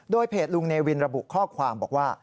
โดยเพจลุงเนวินระบุข้อความบอกว่า